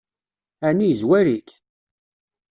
Ɛni yezwar-ik?